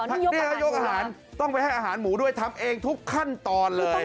อันนี้เหรอนี่ยกอาหารด้วยฮะต้องไปให้อาหารหมูด้วยทำเองทุกขั้นตอนเลย